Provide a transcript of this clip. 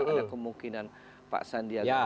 ada kemungkinan pak sandiata